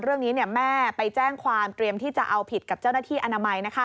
เรื่องนี้แม่ไปแจ้งความเตรียมที่จะเอาผิดกับเจ้าหน้าที่อนามัย